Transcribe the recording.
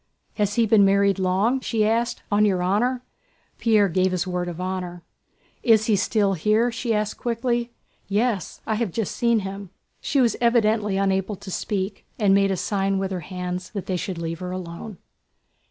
"Has he been married long?" she asked. "On your honor?..." Pierre gave his word of honor. "Is he still here?" she asked, quickly. "Yes, I have just seen him." She was evidently unable to speak and made a sign with her hands that they should leave her alone.